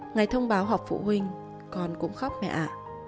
ngày thông báo học phụ huynh con cũng khóc mẹ ạ